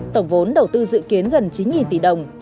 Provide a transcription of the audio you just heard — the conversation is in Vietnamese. tổng vốn đầu tư dự kiến gần chín tỷ đồng